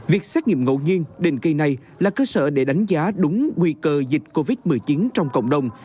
việc xét nghiệm ngẫu nhiên định kỳ này là cơ sở để đánh giá đúng nguy cơ dịch covid một mươi chín trong cộng đồng